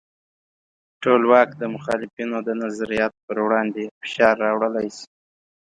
ټولواک د مخالفینو د نظریاتو پر وړاندې فشار راوړلی شي.